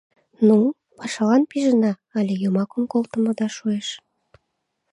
— Ну, пашалан пижына але йомакым колтымыда шуэш?